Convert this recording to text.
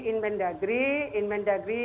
inmen dagri inmen dagri